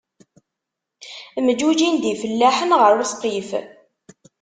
Mǧuǧǧin-d ifellaḥen ɣer usqif.